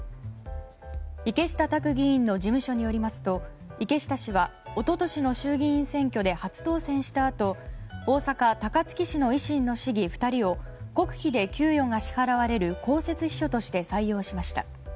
池下卓議員の事務所によりますと、池下氏は一昨年の衆議院選挙で初当選したあと大阪・高槻市の維新の市議２人を国費で給与が支払われる公設秘書として採用しました。